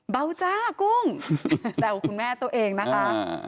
เบาจ้ากุ้งแซวคุณแม่ตัวเองนะคะ